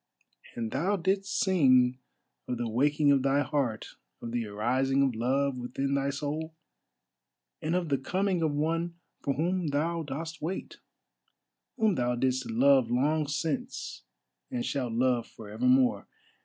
And thou didst sing of the waking of thy heart, of the arising of Love within thy soul, and of the coming of one for whom thou dost wait, whom thou didst love long since and shalt love for ever more.